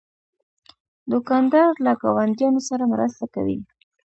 دوکاندار له ګاونډیانو سره مرسته کوي.